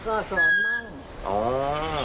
ก็สอนมาก